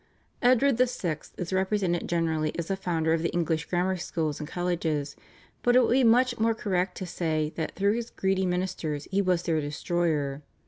Edward VI. is represented generally as the founder of the English grammar schools and colleges, but it would be much more correct to say that through his greedy ministers he was their destroyer.